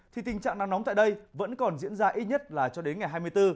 thì tình trạng nắng nóng tại đây vẫn còn diễn ra ít nhất là cho đến ngày hai mươi bốn